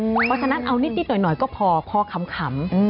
เพราะฉะนั้นเอานิดหน่อยก็พอขำ